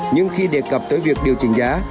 nhưng khi đề cập tới việc điều chỉnh giá